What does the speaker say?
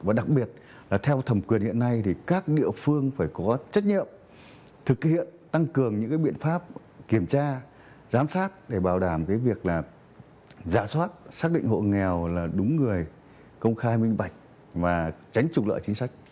và đặc biệt là theo thẩm quyền hiện nay thì các địa phương phải có trách nhiệm thực hiện tăng cường những cái biện pháp kiểm tra giám sát để bảo đảm cái việc là giả soát xác định hộ nghèo là đúng người công khai minh bạch và tránh trục lợi chính sách